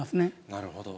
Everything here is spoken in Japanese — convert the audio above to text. なるほど。